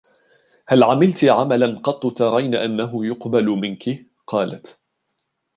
هَلْ عَمِلْت عَمَلًا قَطُّ تَرَيْنَ أَنَّهُ يُقْبَلُ مِنْك ؟ قَالَتْ